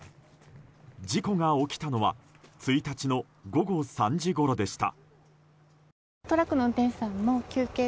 事故が起きたのは１日の午後３時ごろでした。